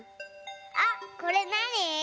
あこれなに？